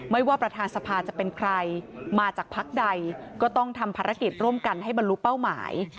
ว่าประธานสภาจะเป็นใครมาจากพักใดก็ต้องทำภารกิจร่วมกันให้บรรลุเป้าหมาย